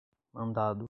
mandado